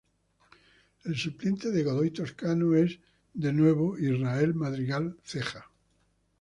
El suplente de Godoy Toscano es de nuevo Israel Madrigal Ceja.